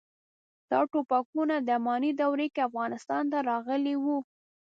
دا ټوپکونه د اماني دورې کې افغانستان ته راغلي وو.